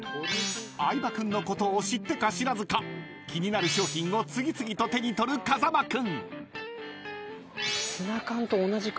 ［相葉君のことを知ってか知らずか気になる商品を次々と手に取る風間君］